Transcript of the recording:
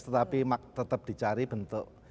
tetapi tetap dicari bentuk